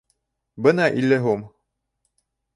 Бына илле һум